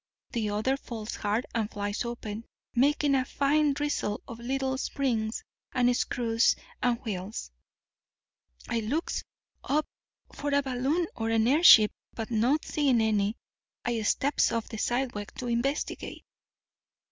The other falls hard and flies open, making a fine drizzle of little springs and screws and wheels. I looks up for a balloon or an airship; but not seeing any, I steps off the sidewalk to investigate.